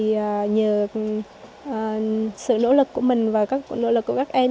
thì nhờ sự nỗ lực của mình và các nỗ lực của các em